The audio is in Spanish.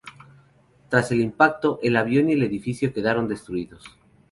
Tras el impacto, el avión y el edificio quedaron destruidos.